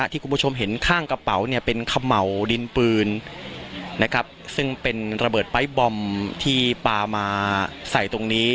ที่คุณผู้ชมเห็นข้างกระเป๋าเนี่ยเป็นเขม่าวดินปืนนะครับซึ่งเป็นระเบิดไป๊บอมที่ปลามาใส่ตรงนี้